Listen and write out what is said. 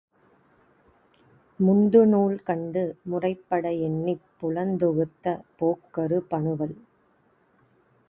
முந்துநூல் கண்டு முறைப்பட எண்ணிப் புலந்தொகுத்த போக்கறு பனுவல்